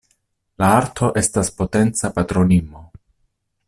La Arto estas potenca patronino.